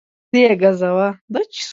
ته یې ګزوه